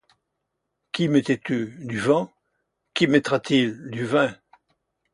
Qu'y mettais-tu ? Du vent. -Qu'y mettra-t-il ? -Du vin.